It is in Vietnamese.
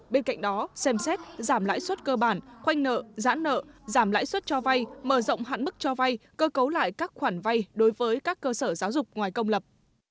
bên cạnh đó xem xét giảm lãi suất cơ bản khoanh nợ giãn nợ giảm lãi suất cho vay mở rộng hạn mức cho vay cơ cấu lại các khoản vay đối với các cơ sở giáo dục ngoài công lập